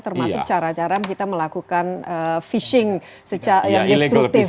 termasuk cara cara kita melakukan fishing yang destruktif